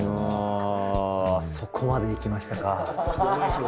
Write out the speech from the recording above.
あそこまで行きましたか。